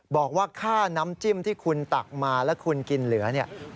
บอกว่าค่าน้ำจิ้มที่คุณตักมาแล้วคุณกินเหลือเนี่ย